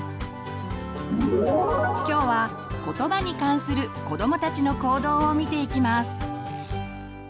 今日は「ことば」に関する子どもたちの行動を見ていきます。